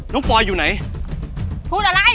น้องปลอยอยู่ไหนพูดอะไรไม่ได้ยิน